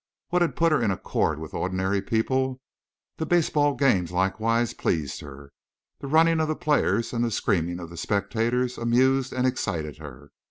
What had put her in accord with ordinary people? The baseball games, likewise pleased her. The running of the players and the screaming of the spectators amused and excited her.